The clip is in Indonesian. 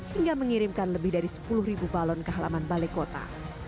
hingga mengirimkan lebih dari sepuluh balon ke halaman balai kota